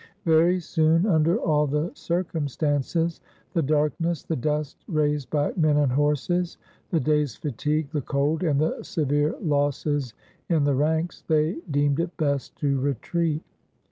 Very soon under all the circumstances — the darkness, the dust raised by men and horses, the day's fatigue, the cold, and the severe losses in the ranks — they deemed it best to retreat.